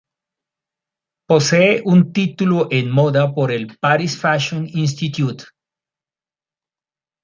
Posee un título en moda por el "Paris Fashion Institute".